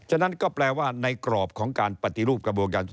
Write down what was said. ฉะนั้นก็แปลว่าในกรอบของการปฏิรูปกระบวนการ